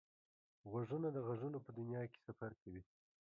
غوږونه د غږونو په دنیا کې سفر کوي